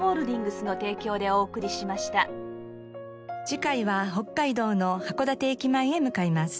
次回は北海道の函館駅前へ向かいます。